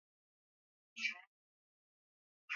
Nililia sana juzi baada ya kuanguka chini